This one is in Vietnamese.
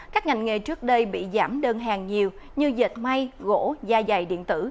các ngành nghề trước đây bị giảm đơn hàng nhiều như dệt may gỗ da dày điện tử